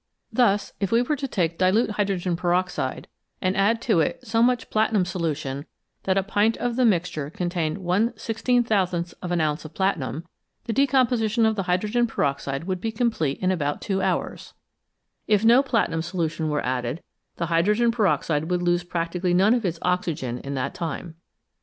Thus if we were to take dilute hydrogen peroxide and add to it so much platinum solution that a pint of the mixture contained Taoooth of an ounce of platinum, the decomposition of the hydrogen peroxide would be complete in about two hours ; if no platinum solution were added the hydrogen peroxide would lose practically none of its oxygen in that time.